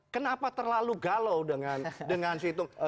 kenapa terlalu galau dengan situng